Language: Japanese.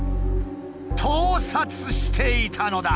盗撮していたのだ！